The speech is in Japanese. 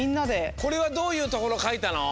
これはどういうところかいたの？